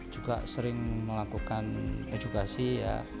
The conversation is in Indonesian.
juga sering melakukan edukasi ya